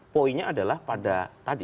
poinnya adalah pada